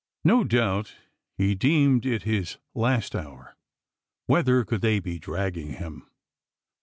No doubt he deemed it his last hour. Whether could they be dragging him?